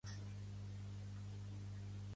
Pertany al moviment independentista la Fernanda?